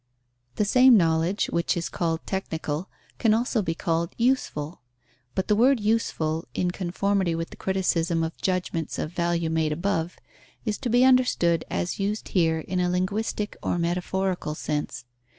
The same knowledge which is called technical, can also be called useful. But the word "useful," in conformity with the criticism of judgments of value made above, is to be understood as used here in a linguistic or metaphorical sense.